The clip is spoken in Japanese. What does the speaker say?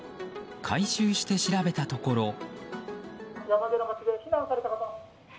回収して調べたところ。